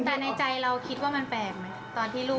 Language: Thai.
แต่ในใจเราคิดว่ามันแปลกไหมตอนที่ลูก